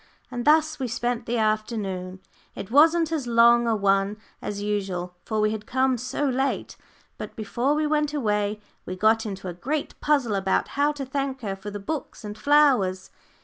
And thus we spent the afternoon. It wasn't as long a one as usual, for we had come so late. But before we went away we got into a great puzzle about how to thank her for the books and flowers.